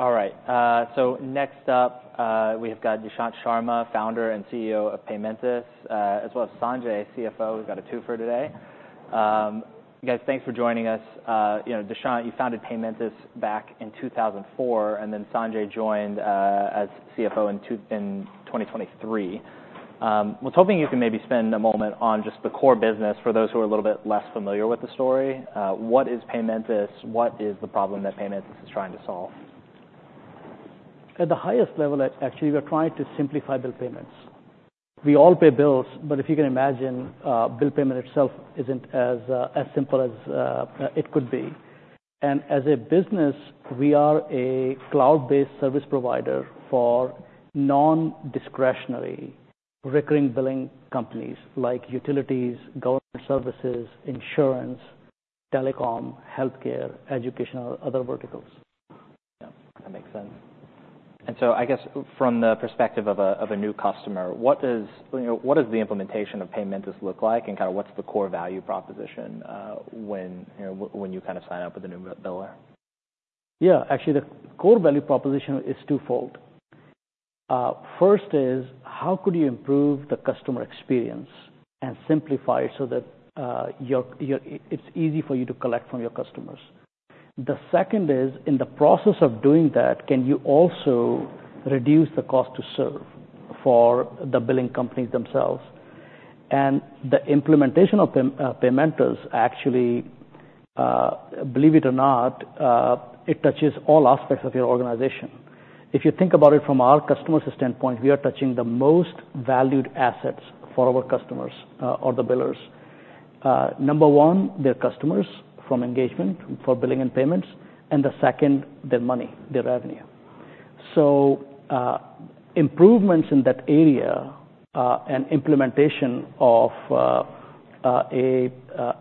All right, so next up, we have got Dushyant Sharma, founder and CEO of Paymentus, as well as Sanjay, CFO. We've got a two for today. Guys, thanks for joining us. You know, Dushyant, you founded Paymentus back in 2004, and then Sanjay joined, as CFO in 2023. I was hoping you can maybe spend a moment on just the core business for those who are a little bit less familiar with the story. What is Paymentus? What is the problem that Paymentus is trying to solve? At the highest level, actually, we are trying to simplify bill payments. We all pay bills, but if you can imagine, bill payment itself isn't as simple as it could be, and as a business, we are a cloud-based service provider for non-discretionary, recurring billing companies like utilities, government services, insurance, telecom, healthcare, educational, other verticals. Yeah, that makes sense. And so I guess from the perspective of a new customer, what does, you know, what does the implementation of Paymentus look like, and kind of what's the core value proposition, when, you know, when you kind of sign up with a new biller? Yeah, actually, the core value proposition is twofold. First is, how could you improve the customer experience and simplify it so that it's easy for you to collect from your customers? The second is, in the process of doing that, can you also reduce the cost to serve for the billing companies themselves? And the implementation of Paymentus, actually, believe it or not, it touches all aspects of your organization. If you think about it from our customer's standpoint, we are touching the most valued assets for our customers, or the billers. Number one, their customers, from engagement, for billing and payments, and the second, their money, their revenue. So, improvements in that area, and implementation of a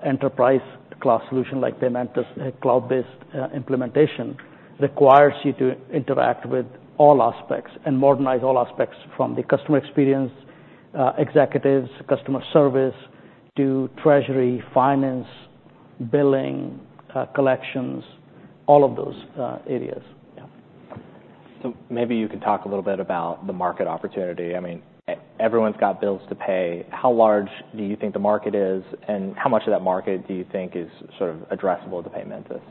enterprise-class solution like Paymentus, a cloud-based implementation, requires you to interact with all aspects and modernize all aspects from the customer experience, executives, customer service, to treasury, finance, billing, collections, all of those areas. Yeah. So maybe you can talk a little bit about the market opportunity. I mean, everyone's got bills to pay. How large do you think the market is, and how much of that market do you think is sort of addressable to Paymentus?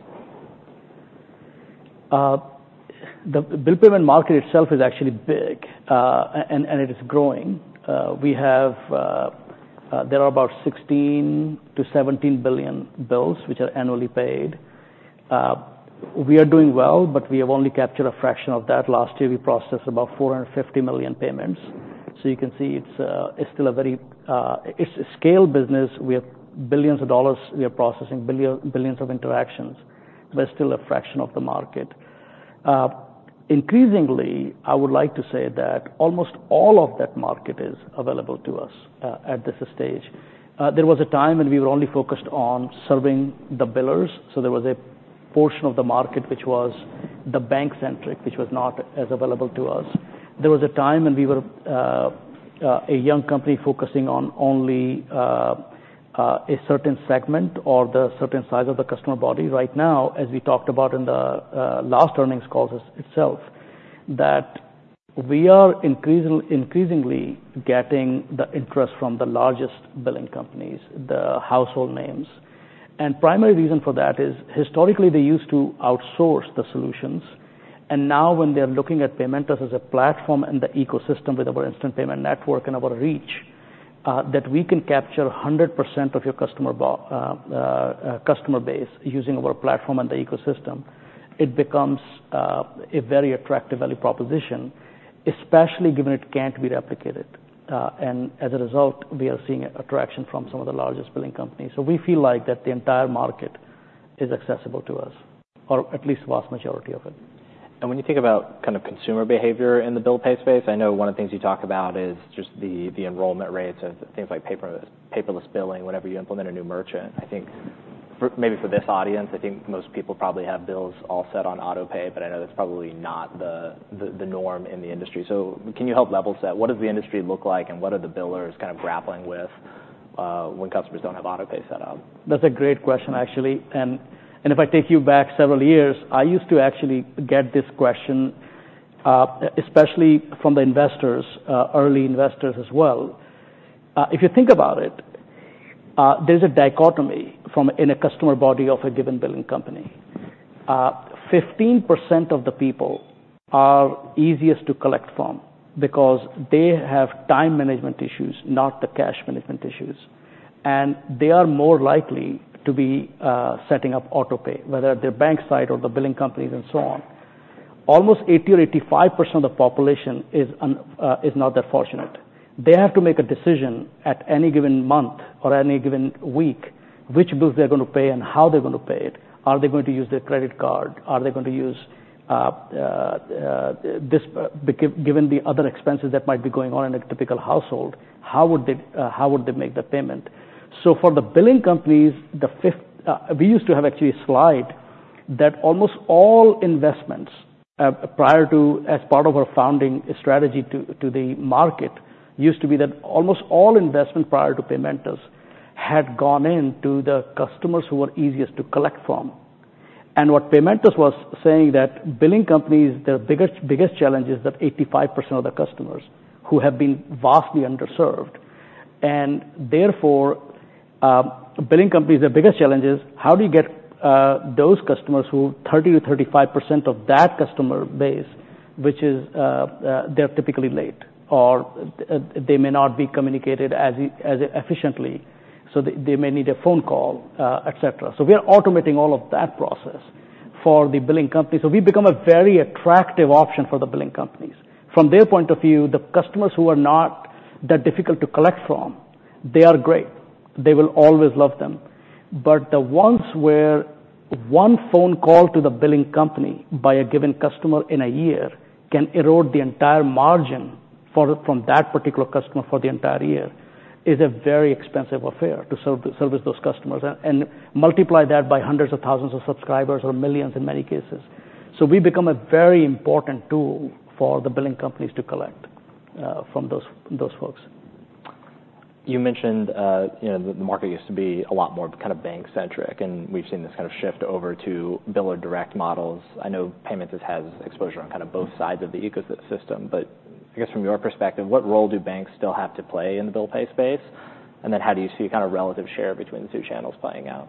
The bill payment market itself is actually big, and it is growing. There are about 16-17 billion bills which are annually paid. We are doing well, but we have only captured a fraction of that. Last year, we processed about 450 million payments. So you can see it's a scale business. We have billions of dollars. We are processing billions of interactions, but still a fraction of the market. Increasingly, I would like to say that almost all of that market is available to us at this stage. There was a time when we were only focused on serving the billers, so there was a portion of the market, which was the bank-centric, which was not as available to us. There was a time when we were a young company focusing on only a certain segment or the certain size of the customer base. Right now, as we talked about in the last earnings call itself, that we are increasingly getting the interest from the largest billing companies, the household names. The primary reason for that is, historically, they used to outsource the solutions, and now when they're looking at Paymentus as a platform and the ecosystem with our Instant Payment Network and our reach, that we can capture 100% of your customer base using our platform and the ecosystem, it becomes a very attractive value proposition, especially given it can't be replicated. As a result, we are seeing traction from some of the largest billing companies. So, we feel like that the entire market is accessible to us, or at least vast majority of it. When you think about kind of consumer behavior in the bill pay space, I know one of the things you talk about is just the enrollment rates of things like paperless billing, whenever you implement a new merchant. I think for maybe for this audience, I think most people probably have bills all set on auto pay, but I know that's probably not the norm in the industry. So can you help level set? What does the industry look like, and what are the billers kind of grappling with, when customers don't have auto pay set up? That's a great question, actually. If I take you back several years, I used to actually get this question, especially from the investors, early investors as well. If you think about it, there's a dichotomy in a customer body of a given billing company. 15% of the people are easiest to collect from because they have time management issues, not the cash management issues. And they are more likely to be setting up auto pay, whether at their bank side or the billing companies and so on. Almost 80% or 85% of the population is not that fortunate. They have to make a decision at any given month or any given week, which bills they're gonna pay and how they're gonna pay it. Are they going to use their credit card? Are they going to use this given the other expenses that might be going on in a typical household, how would they make the payment? So for the billing companies, we used to have actually a slide that almost all investments prior to, as part of our founding strategy to the market, used to be that almost all investment prior to Paymentus had gone into the customers who were easiest to collect from. And what Paymentus was saying that billing companies, their biggest challenge is that 85% of the customers who have been vastly underserved. Therefore, billing companies' biggest challenge is how do you get those customers who 30%-35% of that customer base, which is, they're typically late, or they may not be communicated as efficiently, so they may need a phone call, et cetera. We are automating all of that process for the billing company. We've become a very attractive option for the billing companies. From their point of view, the customers who are not that difficult to collect from are great. They will always love them. But the ones where one phone call to the billing company by a given customer in a year can erode the entire margin for, from that particular customer for the entire year is a very expensive affair to serve, to service those customers, and multiply that by hundreds of thousands of subscribers or millions in many cases. So we've become a very important tool for the billing companies to collect from those folks. You mentioned, you know, the market used to be a lot more kind of bank-centric, and we've seen this kind of shift over to biller direct models. I know Paymentus has exposure on kind of both sides of the ecosystem, but I guess from your perspective, what role do banks still have to play in the bill pay space? And then how do you see kind of relative share between the two channels playing out?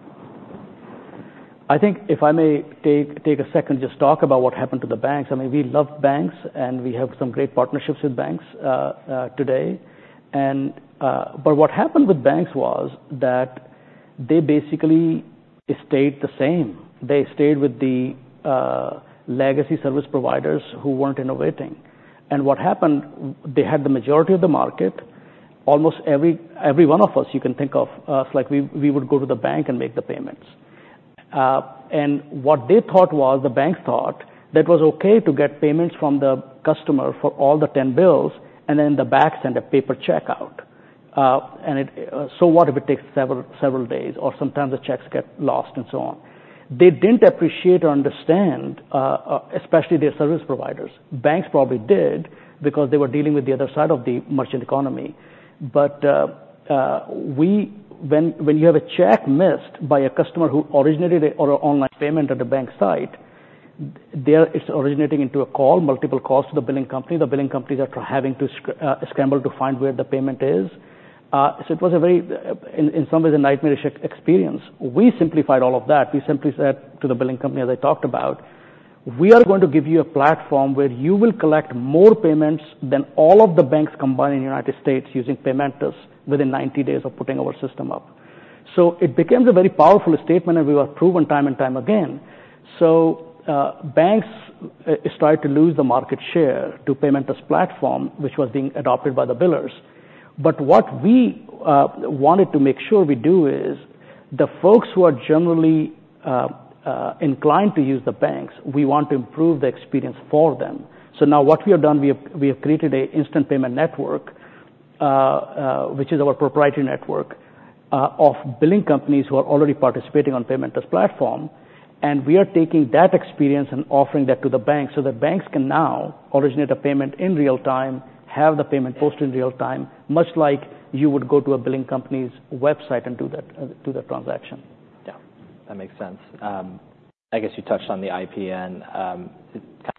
I think if I may take a second, just talk about what happened to the banks. I mean, we love banks, and we have some great partnerships with banks today. And but what happened with banks was that they basically stayed the same. They stayed with the legacy service providers who weren't innovating. And what happened, they had the majority of the market. Almost every one of us, you can think of us like, we would go to the bank and make the payments. And what they thought was, the banks thought that it was okay to get payments from the customer for all the ten bills, and then the banks send a paper check out. And so what if it takes several days, or sometimes the checks get lost and so on? They didn't appreciate or understand, especially their service providers. Banks probably did, because they were dealing with the other side of the merchant economy. But when you have a check missed by a customer who originally did an online payment at the bank side, there it's originating into a call, multiple calls to the billing company. The billing companies are having to scramble to find where the payment is. So it was a very, in some ways, a nightmarish experience. We simplified all of that. We simply said to the billing company, as I talked about, "We are going to give you a platform where you will collect more payments than all of the banks combined in the United States using Paymentus within ninety days of putting our system up." So it becomes a very powerful statement, and we were proven time and time again. So, banks start to lose the market share to Paymentus platform, which was being adopted by the billers. But what we, wanted to make sure we do is, the folks who are generally, inclined to use the banks, we want to improve the experience for them. So now what we have done, we have created an Instant Payment Network, which is our proprietary network of billing companies who are already participating on Paymentus Platform, and we are taking that experience and offering that to the banks, so the banks can now originate a payment in real time, have the payment post in real time, much like you would go to a billing company's website and do that, do the transaction. Yeah, that makes sense. I guess you touched on the IPN, kind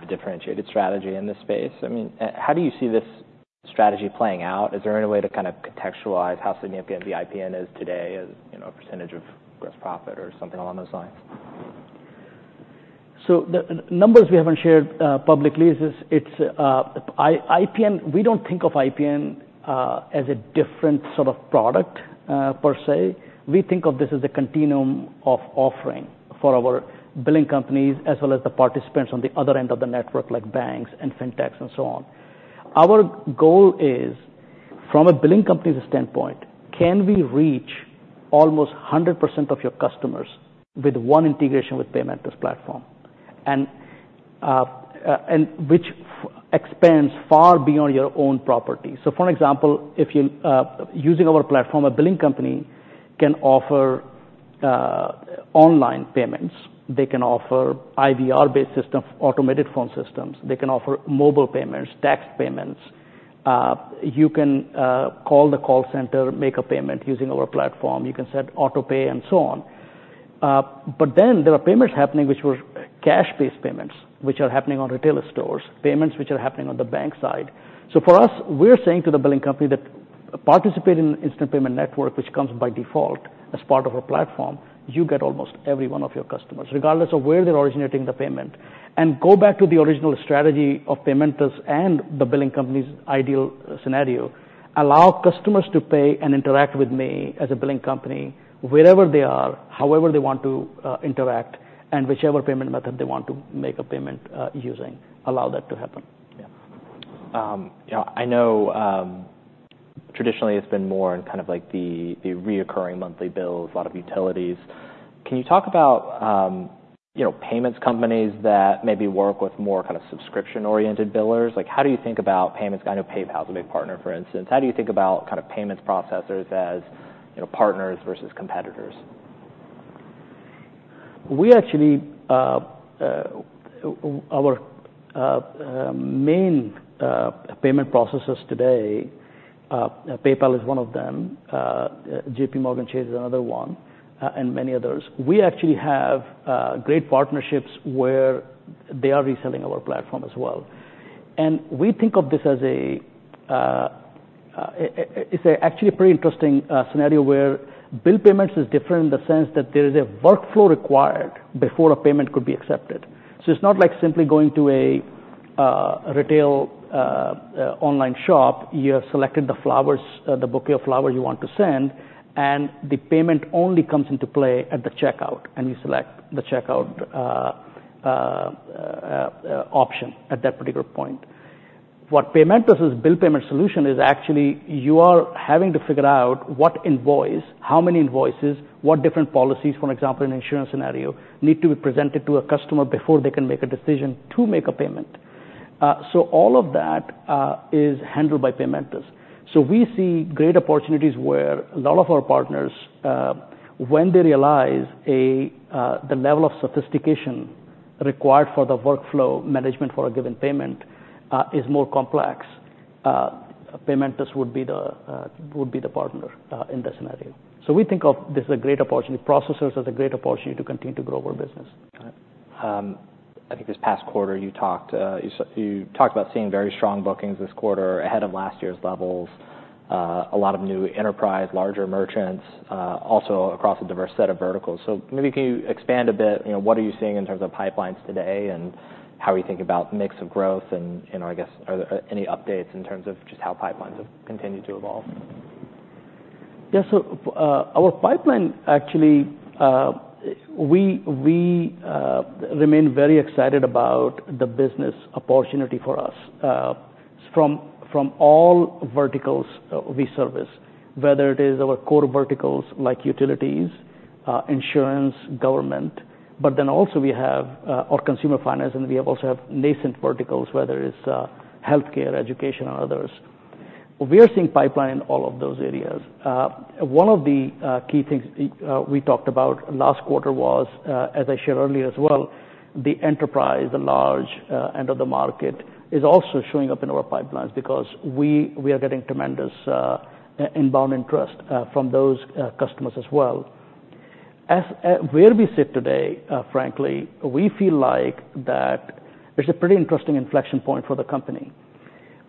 of differentiated strategy in this space. I mean, how do you see this strategy playing out? Is there any way to kind of contextualize how significant the IPN is today as, you know, a percentage of gross profit or something along those lines? So the numbers we haven't shared publicly is this, it's IPN. We don't think of IPN as a different sort of product per se. We think of this as a continuum of offering for our billing companies, as well as the participants on the other end of the network, like banks and fintechs and so on. Our goal is, from a billing company's standpoint, can we reach almost 100% of your customers with one integration with Paymentus Platform, and which expands far beyond your own property? So for an example, if you're using our platform, a billing company can offer online payments. They can offer IVR-based system, automated phone systems. They can offer mobile payments, tax payments. You can call the call center, make a payment using our platform. You can set auto pay and so on. But then there are payments happening which were cash-based payments, which are happening on retail stores, payments which are happening on the bank side. So for us, we're saying to the billing company that participate in Instant Payment Network, which comes by default as part of our platform, you get almost every one of your customers, regardless of where they're originating the payment. And go back to the original strategy of Paymentus and the billing company's ideal scenario, allow customers to pay and interact with me as a billing company, wherever they are, however they want to interact, and whichever payment method they want to make a payment using, allow that to happen. Yeah. I know, traditionally, it's been more in kind of like the recurring monthly bills, a lot of utilities. Can you talk about, you know, payments companies that maybe work with more kind of subscription-oriented billers? Like, how do you think about payments? I know PayPal is a big partner, for instance. How do you think about kind of payments processors as, you know, partners versus competitors? We actually, our main payment processors today, PayPal is one of them, JPMorgan Chase is another one, and many others. We actually have great partnerships where they are reselling our platform as well. And we think of this as a, it's actually a pretty interesting scenario where bill payments is different in the sense that there is a workflow required before a payment could be accepted. So it's not like simply going to a retail online shop. You have selected the flowers, the bouquet of flowers you want to send, and the payment only comes into play at the checkout, and you select the checkout option at that particular point. What Paymentus' bill payment solution is actually you are having to figure out what invoice, how many invoices, what different policies, for example, an insurance scenario, need to be presented to a customer before they can make a decision to make a payment. So all of that is handled by Paymentus. So we see great opportunities where a lot of our partners, when they realize the level of sophistication required for the workflow management for a given payment, is more complex, Paymentus would be the partner in that scenario. So we think of this as a great opportunity, processors as a great opportunity to continue to grow our business. Got it. I think this past quarter, you talked about seeing very strong bookings this quarter ahead of last year's levels, a lot of new enterprise, larger merchants, also across a diverse set of verticals. So maybe can you expand a bit, you know, what are you seeing in terms of pipelines today, and how are you thinking about mix of growth and, I guess, are there any updates in terms of just how pipelines have continued to evolve? Yeah. So, our pipeline, actually, we remain very excited about the business opportunity for us, from all verticals we service, whether it is our core verticals like utilities, insurance, government, but then also we have our consumer finance, and we also have nascent verticals, whether it's healthcare, education, or others. We are seeing pipeline in all of those areas. One of the key things we talked about last quarter was, as I shared earlier as well, the enterprise, the large end of the market, is also showing up in our pipelines because we are getting tremendous inbound interest from those customers as well. As where we sit today, frankly, we feel like that it's a pretty interesting inflection point for the company.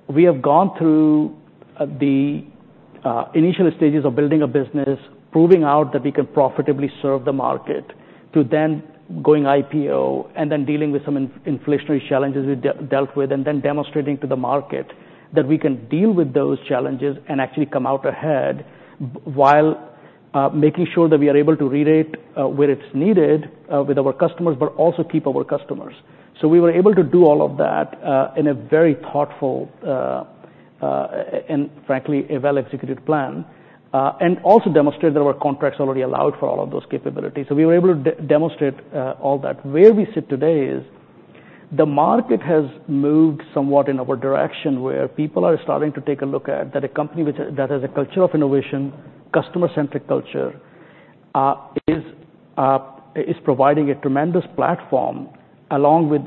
We have gone through the initial stages of building a business, proving out that we can profitably serve the market, to then going IPO and then dealing with some inflationary challenges we dealt with, and then demonstrating to the market that we can deal with those challenges and actually come out ahead, while making sure that we are able to re-rate where it's needed with our customers, but also keep our customers. So we were able to do all of that in a very thoughtful and frankly a well-executed plan and also demonstrate that our contracts already allowed for all of those capabilities. So we were able to demonstrate all that. Where we sit today is, the market has moved somewhat in our direction, where people are starting to take a look at that a company which... That has a culture of innovation, customer-centric culture, is providing a tremendous platform along with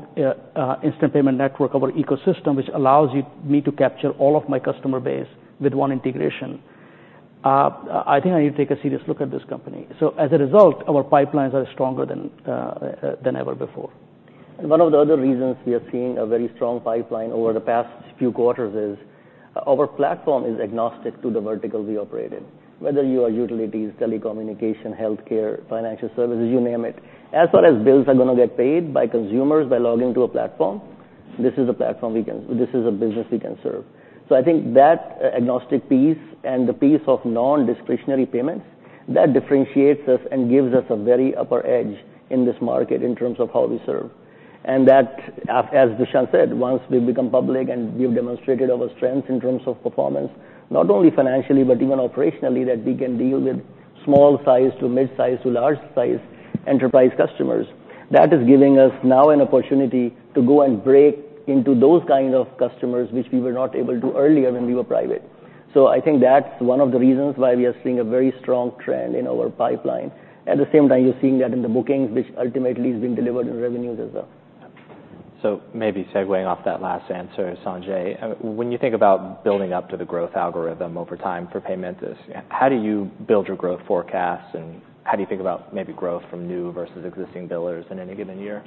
Instant Payment Network, our ecosystem, which allows me to capture all of my customer base with one integration. I think I need to take a serious look at this company. As a result, our pipelines are stronger than ever before. One of the other reasons we are seeing a very strong pipeline over the past few quarters is our platform is agnostic to the vertical we operate in. Whether you are utilities, telecommunication, healthcare, financial services, you name it, as long as bills are gonna get paid by consumers by logging to a platform, this is a business we can serve. I think that agnostic piece and the piece of non-discretionary payments that differentiates us and gives us a very upper edge in this market in terms of how we serve. That, as Dushyant said, once we've become public and we've demonstrated our strength in terms of performance, not only financially, but even operationally, that we can deal with small size to mid-size to large size enterprise customers. That is giving us now an opportunity to go and break into those kind of customers, which we were not able to do earlier when we were private. I think that's one of the reasons why we are seeing a very strong trend in our pipeline. At the same time, you're seeing that in the bookings, which ultimately is being delivered in revenues as well. So maybe segueing off that last answer, Sanjay, when you think about building up to the growth algorithm over time for Paymentus, how do you build your growth forecasts, and how do you think about maybe growth from new versus existing billers in any given year?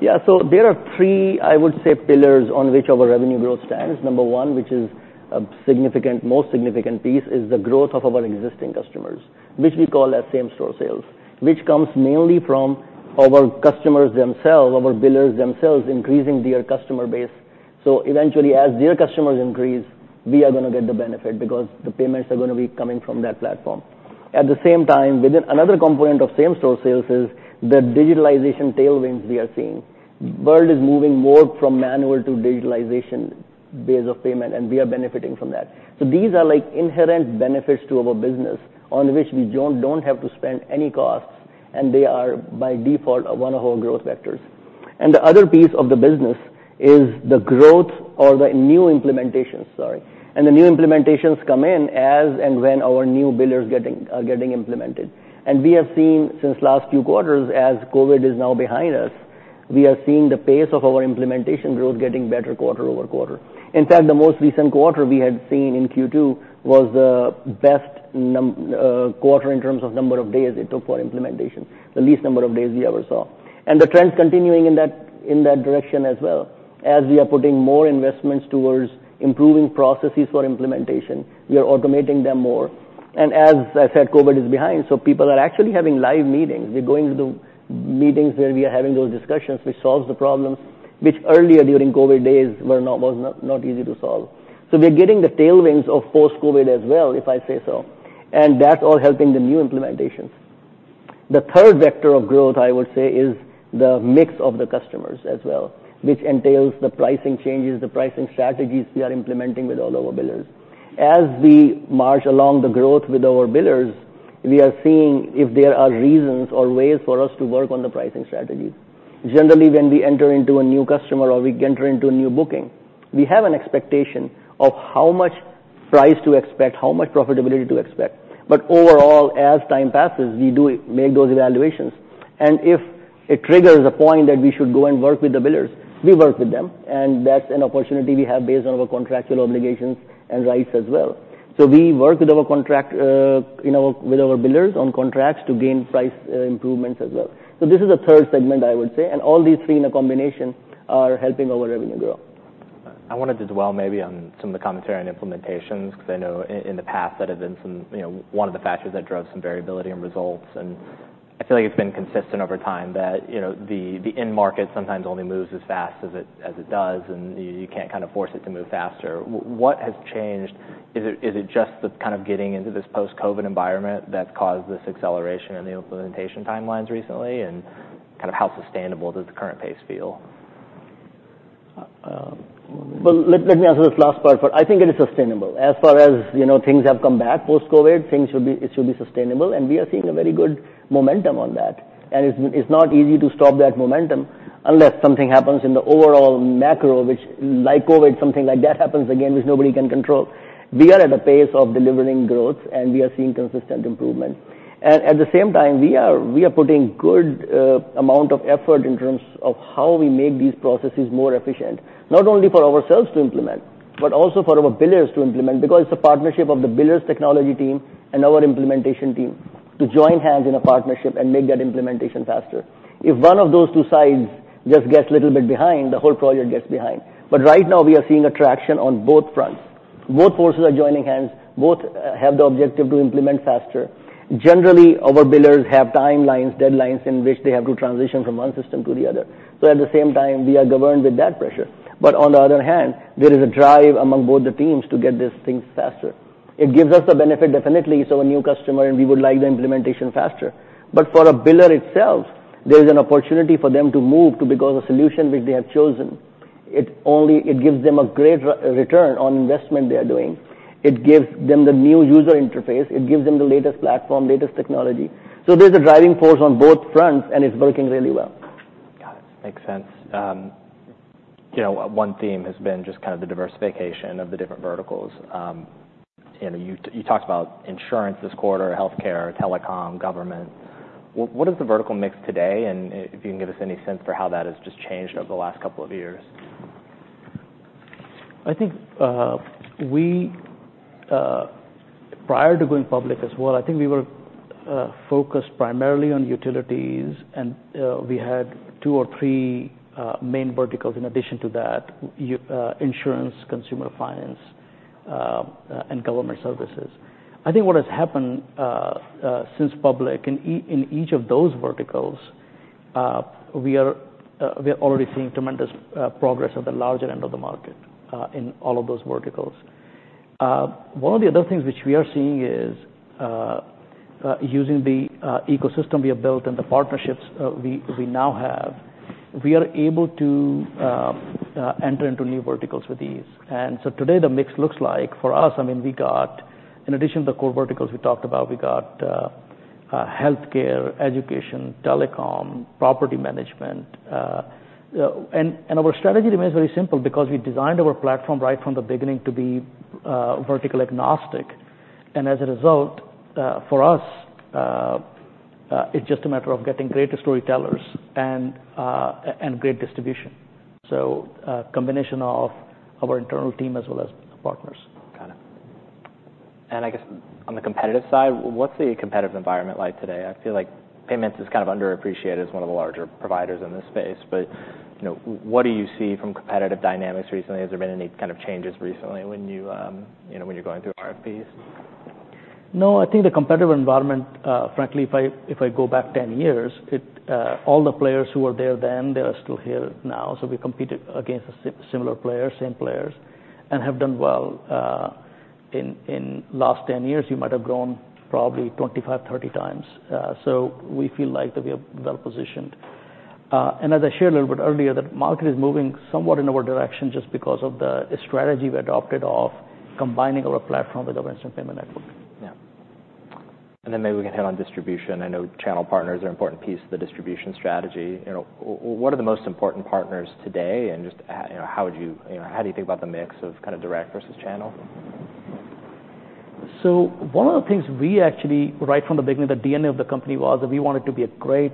Yeah. So there are three, I would say, pillars on which our revenue growth stands. Number one, which is a significant, most significant piece, is the growth of our existing customers, which we call as same-store sales, which comes mainly from our customers themselves, our billers themselves, increasing their customer base. So eventually, as their customers increase, we are gonna get the benefit because the payments are gonna be coming from that platform. At the same time, within another component of same-store sales is the digitalization tailwinds we are seeing. World is moving more from manual to digitalization base of payment, and we are benefiting from that. So these are like inherent benefits to our business on which we don't have to spend any costs, and they are, by default, one of our growth vectors. And the other piece of the business is the growth or the new implementations, sorry. The new implementations come in as and when our new billers getting, are getting implemented. We have seen since last few quarters, as COVID is now behind us, we are seeing the pace of our implementation growth getting better quarter over quarter. In fact, the most recent quarter we had seen in Q2 was the best quarter in terms of number of days it took for implementation, the least number of days we ever saw. The trend is continuing in that direction as well. As we are putting more investments towards improving processes for implementation, we are automating them more. As I said, COVID is behind, so people are actually having live meetings. We're going to the meetings where we are having those discussions, which solves the problems, which earlier during COVID days were not easy to solve. So we're getting the tailwinds of post-COVID as well, if I say so, and that's all helping the new implementations. The third vector of growth, I would say, is the mix of the customers as well, which entails the pricing changes, the pricing strategies we are implementing with all our billers. As we march along the growth with our billers, we are seeing if there are reasons or ways for us to work on the pricing strategies. Generally, when we enter into a new customer or we enter into a new booking, we have an expectation of how much price to expect, how much profitability to expect. But overall, as time passes, we do make those evaluations. If it triggers a point that we should go and work with the billers, we work with them, and that's an opportunity we have based on our contractual obligations and rights as well. We work with our billers on contracts to gain price improvements as well. This is the third segment, I would say, and all these three in a combination are helping our revenue grow. I wanted to dwell maybe on some of the commentary on implementations, because I know in the past, that have been some, you know, one of the factors that drove some variability in results, and I feel like it's been consistent over time that, you know, the end market sometimes only moves as fast as it does, and you can't kind of force it to move faster. What has changed? Is it just the kind of getting into this post-COVID environment that's caused this acceleration in the implementation timelines recently, and kind of how sustainable does the current pace feel? Well, let me answer this last part, but I think it is sustainable. As far as, you know, things have come back post-COVID, things should be, it should be sustainable, and we are seeing a very good momentum on that. And it's not easy to stop that momentum unless something happens in the overall macro, which, like COVID, something like that happens again, which nobody can control. We are at a pace of delivering growth, and we are seeing consistent improvement. And at the same time, we are putting good amount of effort in terms of how we make these processes more efficient, not only for ourselves to implement, but also for our billers to implement, because it's a partnership of the billers technology team and our implementation team to join hands in a partnership and make that implementation faster. If one of those two sides just gets a little bit behind, the whole project gets behind. But right now, we are seeing a traction on both fronts. Both forces are joining hands. Both have the objective to implement faster. Generally, our billers have timelines, deadlines, in which they have to transition from one system to the other. So at the same time, we are governed with that pressure. But on the other hand, there is a drive among both the teams to get these things faster. It gives us the benefit, definitely, so a new customer, and we would like the implementation faster. But for a biller itself, there is an opportunity for them to move to, because the solution which they have chosen, it gives them a great return on investment they are doing. It gives them the new user interface, it gives them the latest platform, latest technology, so there's a driving force on both fronts, and it's working really well. Got it. Makes sense. You know, one theme has been just kind of the diversification of the different verticals. And you talked about insurance this quarter, healthcare, telecom, government. What is the vertical mix today? And if you can give us any sense for how that has just changed over the last couple of years. I think we prior to going public as well, I think we were focused primarily on utilities, and we had two or three main verticals in addition to that: insurance, consumer finance, and government services. I think what has happened since public, in each of those verticals, we are already seeing tremendous progress at the larger end of the market, in all of those verticals. One of the other things which we are seeing is using the ecosystem we have built and the partnerships we now have, we are able to enter into new verticals with ease. And so today, the mix looks like, for us, I mean, we got. In addition to the core verticals we talked about, we got healthcare, education, telecom, property management. Our strategy remains very simple, because we designed our platform right from the beginning to be vertical agnostic. And as a result, for us, it's just a matter of getting greater storytellers and great distribution. So a combination of our internal team as well as partners. Got it. And I guess on the competitive side, what's the competitive environment like today? I feel like payments is kind of underappreciated as one of the larger providers in this space, but, you know, what do you see from competitive dynamics recently? Has there been any kind of changes recently when you, you know, when you're going through RFPs? No, I think the competitive environment, frankly, if I go back 10 years, it, all the players who were there then, they are still here now. So we competed against a similar players, same players, and have done well. In last 10 years, we might have grown probably 25-30 times. So we feel like that we are well positioned. And as I shared a little bit earlier, the market is moving somewhat in our direction just because of the strategy we adopted of combining our platform with our Instant Payment Network. And then maybe we can hit on distribution. I know channel partners are an important piece of the distribution strategy. You know, what are the most important partners today? And just, you know, how do you think about the mix of kind of direct versus channel? So one of the things we actually, right from the beginning, the DNA of the company, was that we wanted to be a great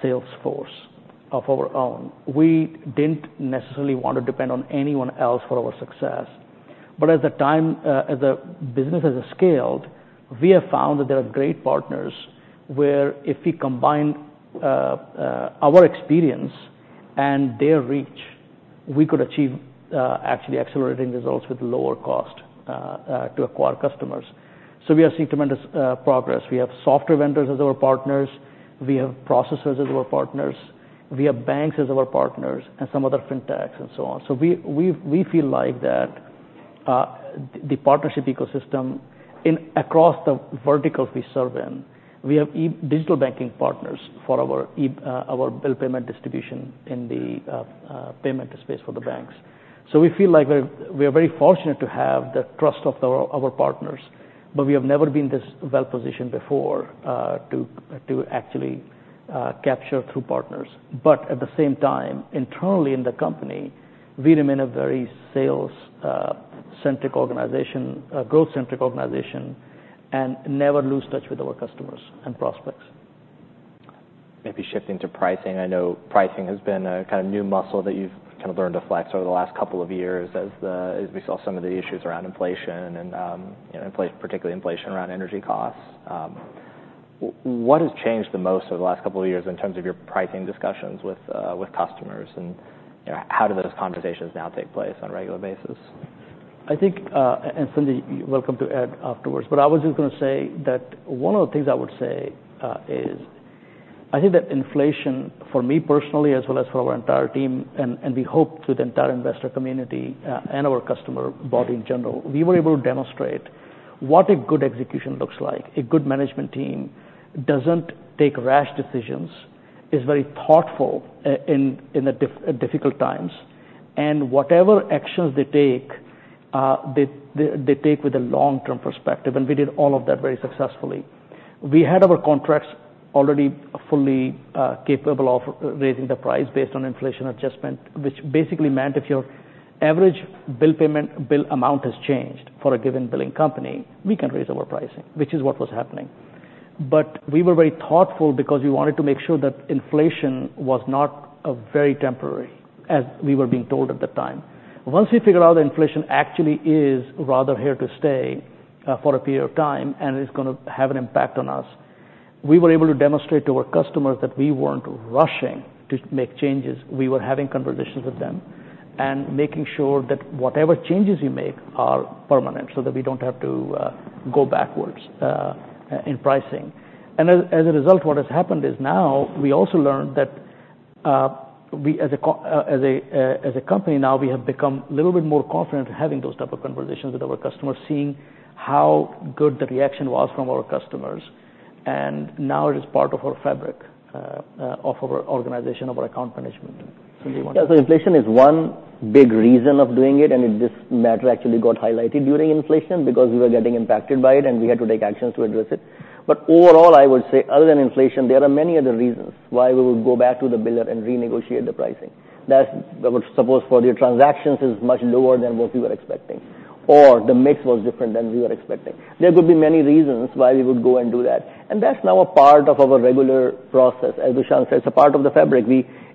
sales force of our own. We didn't necessarily want to depend on anyone else for our success. But as the time, as the business has scaled, we have found that there are great partners, where if we combine our experience and their reach, we could achieve actually accelerating results with lower cost to acquire customers. So we are seeing tremendous progress. We have software vendors as our partners, we have processors as our partners, we have banks as our partners, and some other fintechs, and so on. So we feel like that the partnership ecosystem across the verticals we serve in. We have digital banking partners for our bill payment distribution in the payment space for the banks. So we feel like we're very fortunate to have the trust of our partners, but we have never been this well-positioned before to actually capture through partners. But at the same time, internally in the company, we remain a very sales-centric organization, a growth-centric organization, and never lose touch with our customers and prospects. Maybe shifting to pricing. I know pricing has been a kind of new muscle that you've kind of learned to flex over the last couple of years, as we saw some of the issues around inflation and, you know, particularly inflation around energy costs. What has changed the most over the last couple of years in terms of your pricing discussions with, with customers, and, you know, how do those conversations now take place on a regular basis? I think, and Sanjay, you're welcome to add afterwards. But I was just gonna say that one of the things I would say, is, I think that inflation, for me personally, as well as for our entire team, and, and we hope to the entire investor community, and our customer body in general, we were able to demonstrate what a good execution looks like. A good management team doesn't take rash decisions, is very thoughtful in the difficult times. And whatever actions they take, they take with a long-term perspective, and we did all of that very successfully. We had our contracts already fully capable of raising the price based on inflation adjustment, which basically meant if your average bill payment bill amount has changed for a given billing company, we can raise our pricing, which is what was happening. But we were very thoughtful because we wanted to make sure that inflation was not very temporary, as we were being told at the time. Once we figured out that inflation actually is rather here to stay for a period of time, and is gonna have an impact on us, we were able to demonstrate to our customers that we weren't rushing to make changes. We were having conversations with them, and making sure that whatever changes we make are permanent, so that we don't have to go backwards in pricing. As a result, what has happened is now we also learned that we as a company now have become a little bit more confident having those type of conversations with our customers, seeing how good the reaction was from our customers. Now it is part of our fabric of our organization, of our account management. Sanjay, you want to? Yeah, so inflation is one big reason of doing it, and this matter actually got highlighted during inflation because we were getting impacted by it, and we had to take actions to address it. But overall, I would say other than inflation, there are many other reasons why we would go back to the biller and renegotiate the pricing. That's, I would suppose, for their transactions is much lower than what we were expecting, or the mix was different than we were expecting. There could be many reasons why we would go and do that, and that's now a part of our regular process. As Dushyant said, it's a part of the fabric.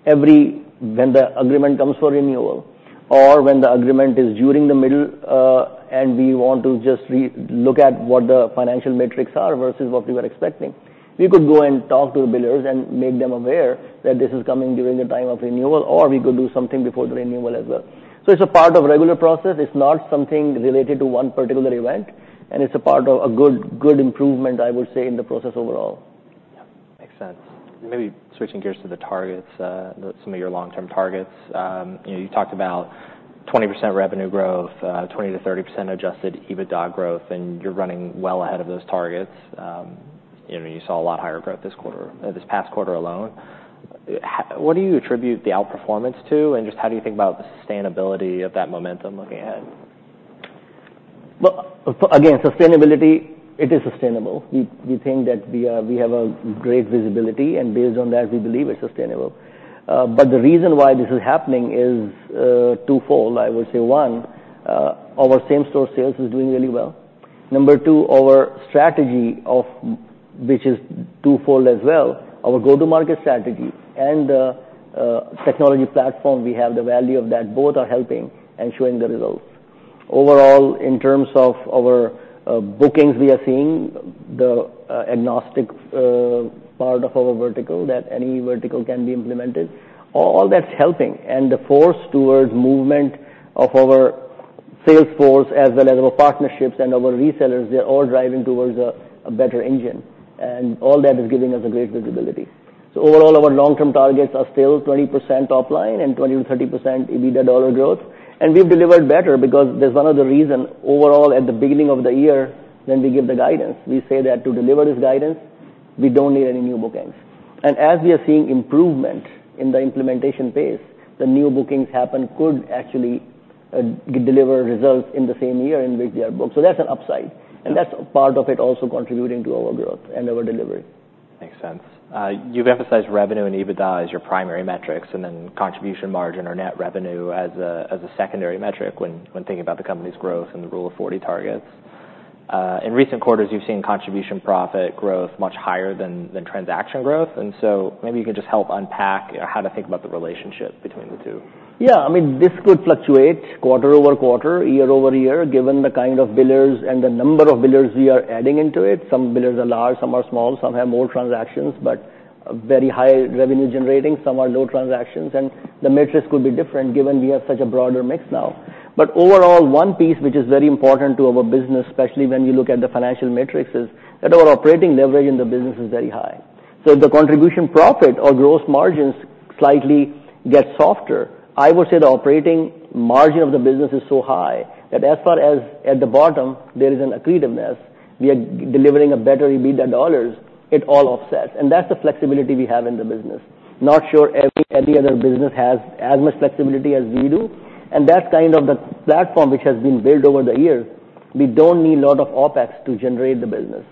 Every vender agreement comes for renewal or vender agreement is during the middle, and we want to just re-look at what the financial metrics are versus what we were expecting, we could go and talk to the billers and make them aware that this is coming during the time of renewal, or we could do something before the renewal as well. So it's a part of regular process. It's not something related to one particular event, and it's a part of a good, good improvement, I would say, in the process overall. Yeah. Makes sense. Maybe switching gears to the targets, some of your long-term targets. You know, you talked about 20% revenue growth, 20%-30% adjusted EBITDA growth, and you're running well ahead of those targets. You know, you saw a lot higher growth this quarter, this past quarter alone. What do you attribute the outperformance to, and just how do you think about the sustainability of that momentum looking ahead? Again, sustainability, it is sustainable. We think that we have a great visibility, and based on that, we believe it's sustainable. But the reason why this is happening is twofold. I would say, one, our same-store sales is doing really well. Number two, our strategy of which is twofold as well, our go-to-market strategy and technology platform, we have the value of that. Both are helping and showing the results. Overall, in terms of our bookings, we are seeing the agnostic part of our vertical, that any vertical can be implemented. All that's helping, and the force towards movement of our sales force, as well as our partnerships and our resellers, they're all driving towards a better engine. And all that is giving us a great visibility. Overall, our long-term targets are still 20% top line and 20%-30% EBITDA dollar growth. We've delivered better because there's one other reason. Overall, at the beginning of the year, when we give the guidance, we say that to deliver this guidance, we don't need any new bookings. As we are seeing improvement in the implementation phase, the new bookings happen could actually deliver results in the same year in which they are booked. That's an upside, and that's part of it also contributing to our growth and our delivery. Makes sense. You've emphasized revenue and EBITDA as your primary metrics, and then contribution margin or net revenue as a secondary metric when thinking about the company's growth and the Rule of 40 targets. In recent quarters, you've seen contribution profit growth much higher than transaction growth, and so maybe you can just help unpack how to think about the relationship between the two. Yeah. I mean, this could fluctuate quarter over quarter, year over year, given the kind of billers and the number of billers we are adding into it. Some billers are large, some are small, some have more transactions, but very high revenue generating. Some are low transactions, and the metrics could be different, given we have such a broader mix now. But overall, one piece which is very important to our business, especially when you look at the financial metrics, is that our operating leverage in the business is very high. So if the contribution profit or gross margins slightly get softer, I would say the operating margin of the business is so high that as far as at the bottom, there is an accretiveness. We are delivering a better EBITDA dollars, it all offsets, and that's the flexibility we have in the business. Not sure every any other business has as much flexibility as we do, and that's kind of the platform which has been built over the years. We don't need a lot of OpEx to generate the business,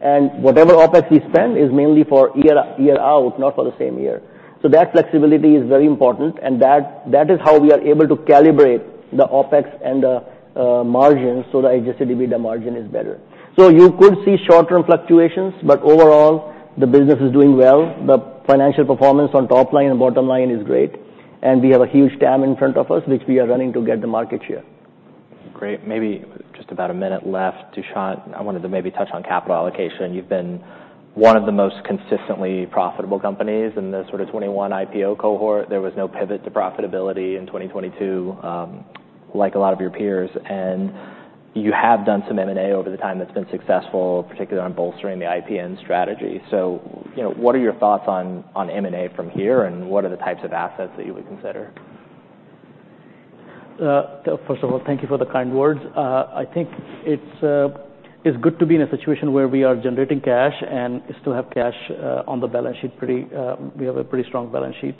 and whatever OpEx we spend is mainly for year year out, not for the same year, so that flexibility is very important, and that is how we are able to calibrate the OpEx and the margins, so the Adjusted EBITDA margin is better, so you could see short-term fluctuations, but overall, the business is doing well. The financial performance on top line and bottom line is great, and we have a huge TAM in front of us, which we are running to get the market share. Great. Maybe just about a minute left, Tushar. I wanted to maybe touch on capital allocation. You've been one of the most consistently profitable companies in the sort of twenty-one IPO cohort. There was no pivot to profitability in twenty twenty-two, like a lot of your peers, and you have done some M&A over the time that's been successful, particularly on bolstering the IPN strategy. So, you know, what are your thoughts on M&A from here, and what are the types of assets that you would consider? First of all, thank you for the kind words. I think it's good to be in a situation where we are generating cash and still have cash on the balance sheet. We have a pretty strong balance sheet.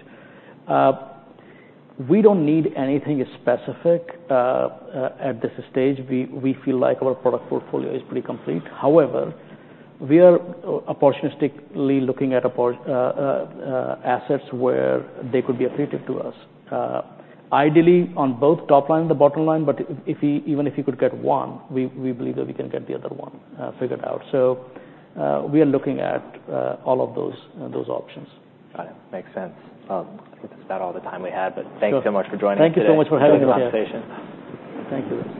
We don't need anything specific at this stage. We feel like our product portfolio is pretty complete. However, we are opportunistically looking at assets where they could be accretive to us, ideally on both top line and the bottom line, but even if we could get one, we believe that we can get the other one figured out. We are looking at all of those options. Got it. Makes sense. I think that's about all the time we have, but- Sure. Thank you so much for joining us today. Thank you so much for having us here. Great conversation. Thank you.